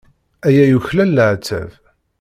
Aya yuklal leɛtab.